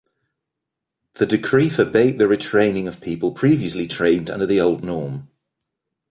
The decree forbade the retraining of people previously trained under the old norm.